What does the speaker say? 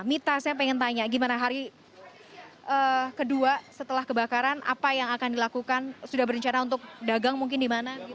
mita saya pengen tanya gimana hari kedua setelah kebakaran apa yang akan dilakukan sudah berencana untuk dagang mungkin di mana